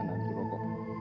mana tuh rokoknya